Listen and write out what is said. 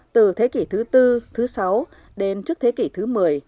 từ thế kỷ thứ tư thứ sáu đến trước thế kỷ thứ một mươi